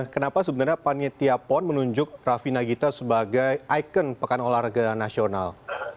kenapa sebenarnya panitia pon menunjuk raffi nagita sebagai ikon pekan olahraga nasional